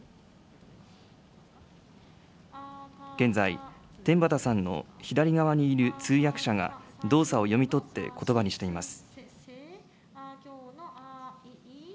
現在、天畠さんの左側にいる通訳者が動作を読み取ってことばにしています。